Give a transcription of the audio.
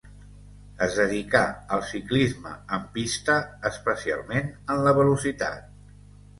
Es dedicà al ciclisme en pista, especialment en la velocitat.